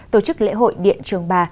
tổ chức lễ hội điện trường bà